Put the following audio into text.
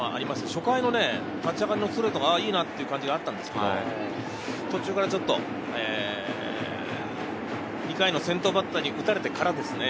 初回の立ち上がりのストレートはいいなぁと思ったんですけど、途中からちょっと２回の先頭バッターに打たれてからですね。